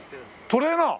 トレーナー！？